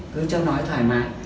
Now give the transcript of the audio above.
cứ cho nó thoải mái